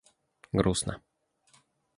грустно